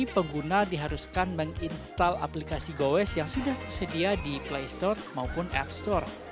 pengguna diharuskan menginstal aplikasi gowes yang sudah tersedia di play store maupun app store